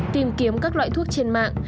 tìm kiếm các loại thuốc trên mạng